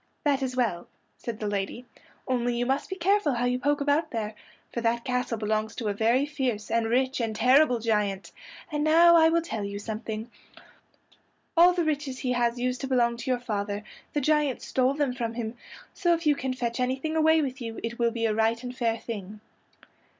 "That is well," said the lady, "only you must be careful how you poke about there, for that castle belongs to a very fierce and rich and terrible giant: and now I will tell you something: all the riches he has used to belong to your father; the giant stole them from him, so if you can fetch anything away with you it will be a right and fair thing."